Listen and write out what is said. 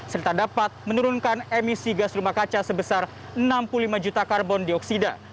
serta dapat menurunkan emisi gas rumah kaca sebesar enam puluh lima juta karbon dioksida